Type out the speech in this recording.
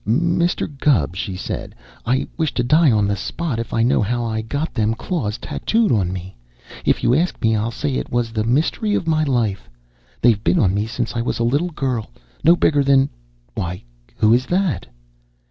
"Mr. Gubb," she said, "I wish to die on the spot if I know how I got them claws tattooed onto me. If you ask me, I'll say it is the mystery of my life. They've been on me since I was a little girl no bigger than why, who is that?"